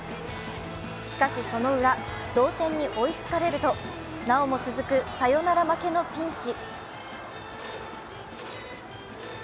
しかしそのウラ、同点に追いつかれるとなおも続くサヨナラ負けのピンチ。